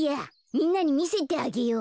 みんなにみせてあげよう。